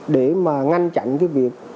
để mà ngăn chặn cái việc